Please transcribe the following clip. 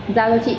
giao cho chị